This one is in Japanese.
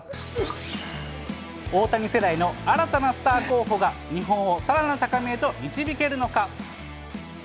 大谷世代の新たなスター候補が、日本をさらなる高みへと、導けるのか。